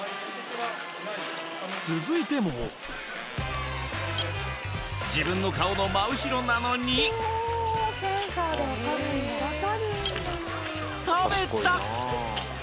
続いても自分の顔の真後ろなのに食べた！